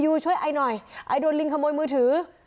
ช่วยไอหน่อยไอโดนลิงขโมยมือถือ